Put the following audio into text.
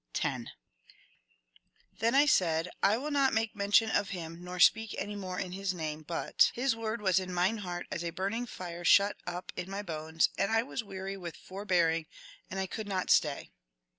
(10) Then I said, I will not make mention of Him nor speak anj more in his name ; but his word was in mine heart as a burning fire shut up in mj bones, and I was weary with forbearing and I could not staj.